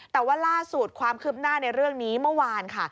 แต่ว่าล่าสุดความคืบหน้าในเรื่องนี้เมื่อวานค่ะ